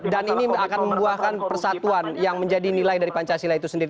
dan ini akan membuahkan persatuan yang menjadi nilai dari pancasila itu sendiri